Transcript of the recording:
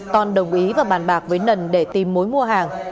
con đồng ý và bàn bạc với nần để tìm mối mua hàng